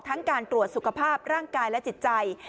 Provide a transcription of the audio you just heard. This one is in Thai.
การตรวจสุขภาพร่างกายและจิตใจ